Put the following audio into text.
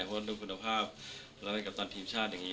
เพราะดูคุณภาพแล้วเป็นกัปตันทีมชาติอย่างนี้